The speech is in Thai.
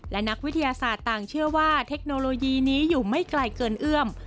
และนักวิทยาศาสตร์ต่างเชื่อว่าเทคโนโลยีนี้อยู่ไม่ไกลเกินเอื้อม